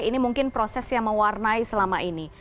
ini mungkin proses yang mewarnai selama ini